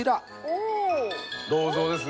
銅像ですね。